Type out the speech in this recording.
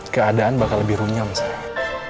keadaan bakal lebih runyam sekarang